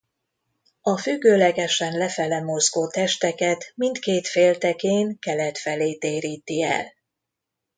A függőlegesen lefele mozgó testeket mindkét féltekén kelet felé téríti el.